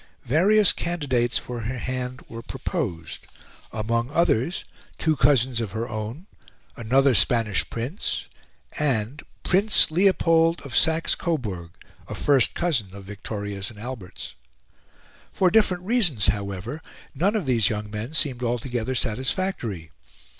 Various candidates for her hand were proposed among others, two cousins of her own, another Spanish prince, and Prince Leopold of Saxe Coburg, a first cousin of Victoria's and Albert's; for different reasons, however, none of these young men seemed altogether satisfactory.